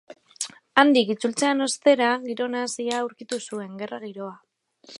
Handik itzultzean ostera, giro nahasia aurkitu zuen, gerra giroa.